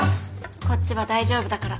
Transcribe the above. こっちは大丈夫だから。